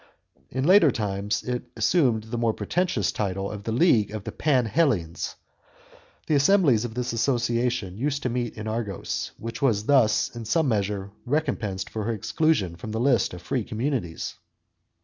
In later times it assumed the more pretentious name of the league of the Panhellenes. The assemblies of this association used to meet in Argos, which was thus in some measure recompensed for her exclusion from the list of free communities.